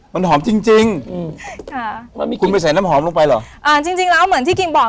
มันหอมจริงจริงอืมค่ะแล้วมีคุณไปใส่น้ำหอมลงไปเหรออ่าจริงจริงแล้วเหมือนที่คิมบอก